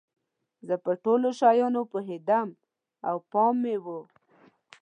زه په ټولو شیانو پوهیدم او پام مې و.